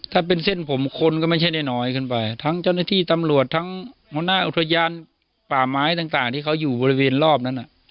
ถ้าเป็นเส้นผมคนก็ไม่ใช่น้อยขึ้นไปทั้งเจ้าหน้าที่ตำรวจทั้งหัวหน้าอุทยานป่าไม้ต่างที่เขาอยู่บริเวณรอบนั้น